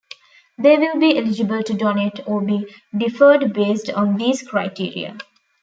They will be eligible to donate or be deferred based on these criteria.